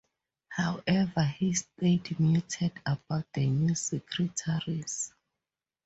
However he stayed muted about the new secretaries.